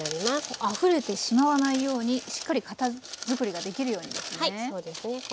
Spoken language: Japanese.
あふれてしまわないようにしっかり型作りができるようにですね。